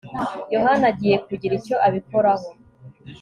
yohana agiye kugira icyo abikoraho